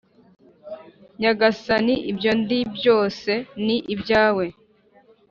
nyagasani ibyo ndi byose ni ibyawe